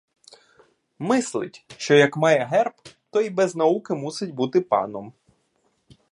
Мислить, що як має герб, то і без науки мусить бути паном.